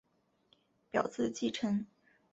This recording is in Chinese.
表字稷臣。